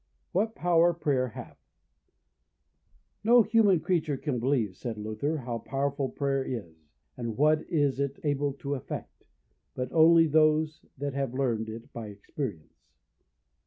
What Power Prayer hath. No human creature can believe, said Luther, how powerful prayer is, and what is it able to effect, but only those that have learned it by experience.